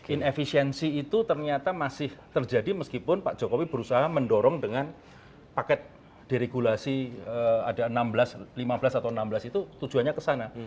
inefisiensi itu ternyata masih terjadi meskipun pak jokowi berusaha mendorong dengan paket deregulasi ada enam belas lima belas atau enam belas itu tujuannya kesana